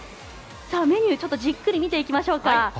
メニューじっくり見ていきましょうか。